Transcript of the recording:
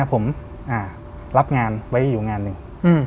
ผมรับงานไว้อยู่งานหนึ่ง